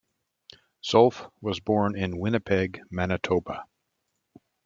Zolf was born in Winnipeg, Manitoba.